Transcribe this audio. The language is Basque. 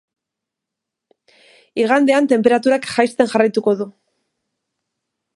Igandean tenperaturak jaisten jarraituko du.